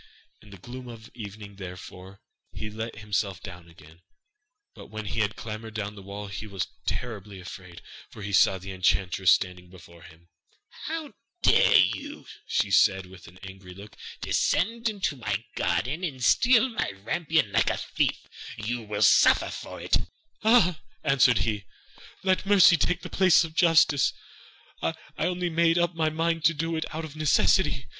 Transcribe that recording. In the gloom of evening therefore, he let himself down again; but when he had clambered down the wall he was terribly afraid, for he saw the enchantress standing before him. 'How can you dare,' said she with angry look, 'descend into my garden and steal my rampion like a thief? You shall suffer for it!' 'Ah,' answered he, 'let mercy take the place of justice, I only made up my mind to do it out of necessity.